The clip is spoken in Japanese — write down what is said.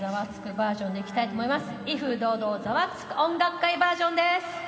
バージョンでいきたいと思います。